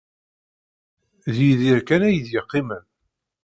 D Yidir kan ay d-yeqqimen.